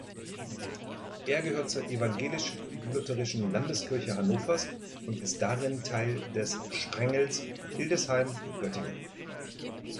Er gehört zur Evangelisch-lutherischen Landeskirche Hannovers und ist darin Teil des Sprengels Hildesheim-Göttingen.